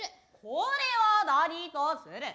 これは何とする。